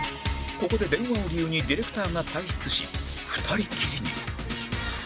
ここで電話を理由にディレクターが退室し２人きりに